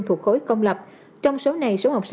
thuộc khối công lập